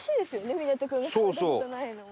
湊君が食べた事ないのも。